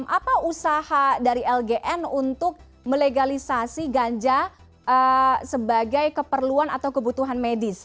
apa usaha dari lgn untuk melegalisasi ganja sebagai keperluan atau kebutuhan medis